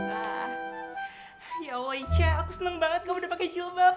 ah ya allah ica aku seneng banget kamu udah pake jilbab